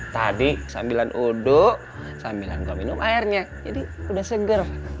tadi sambilan uduk sambilan nggak minum airnya jadi udah seger